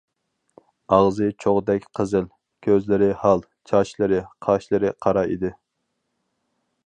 ئاغزى چوغدەك قىزىل، كۆزلىرى ھال، چاچلىرى، قاشلىرى قارا ئىدى.